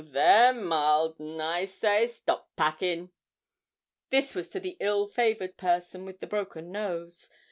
there, mild 'n, I say, stop packin'.' This was to the ill favoured person with the broken nose.